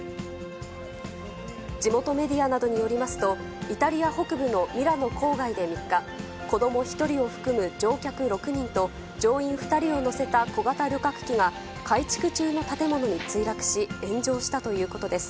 地元メディアなどによりますと、イタリア北部のミラノ郊外で３日、子ども１人を含む乗客６人と乗員２人を乗せた小型旅客機が改築中の建物に墜落し炎上したということです。